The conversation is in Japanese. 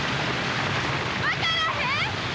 分からへん！